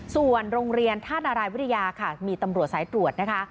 ส่วนโรงเรียนธาตุนารายวิทยาค่ะมีตำรวจสายตรวจนะคะ